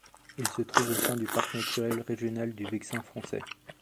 Il se trouve au sein du Parc naturel régional du Vexin Français.